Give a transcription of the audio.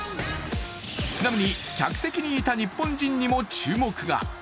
ちなみに、客席にいた日本人にも注目が。